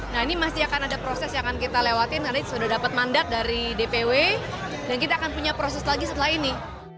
nah ini masih akan ada proses yang akan kita lewatin nanti sudah dapat mandat dari dpw dan kita akan punya proses lagi setelah ini